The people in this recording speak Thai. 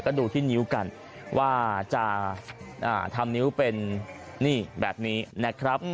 ก็ดูที่นิ้วกันว่าจะทำนิ้วเป็นนี่แบบนี้นะครับ